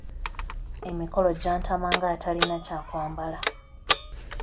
Emikolo gyantama ng’atalina kya kwambala.